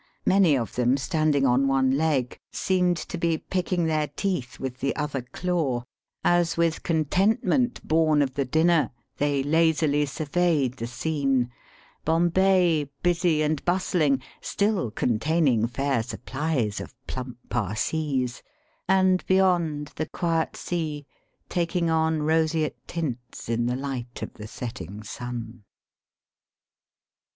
Many of them, standing on one leg, seemed to be picking their teeth with the other claw, as with con tentment bom of the dinner they lazily sur » veyed the scene — ^Bombay, busy and bustling, still containing fair supplies of plump Parsees> and beyond the quiet sea, taking on roseate tints in the light of the setting sun.